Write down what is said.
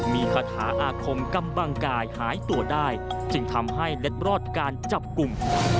มีคาถาอาคมกำบังกายหายตัวได้จึงทำให้เล็ดรอดการจับกลุ่ม